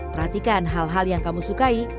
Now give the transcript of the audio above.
perhatikan hal hal yang kamu sukai